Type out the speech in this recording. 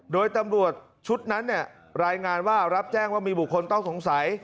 โดยตำรวจชุดนั้นเนี่ยรายงานว่ารับแจ้งว่ามีบุคคลต้องสงสัย